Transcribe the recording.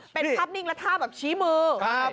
เป็นภาพนิ่งและท่าแบบชี้มือ